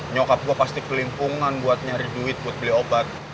nyokap gue pasti ke lingkungan buat nyari duit buat beli obat